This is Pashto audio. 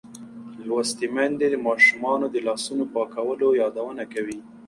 لوستې میندې د ماشومانو د لاسونو پاکولو یادونه کوي.